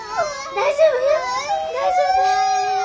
大丈夫よ。